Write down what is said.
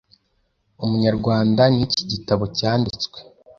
Umunyarwanda n,iki gitabo cyanditswe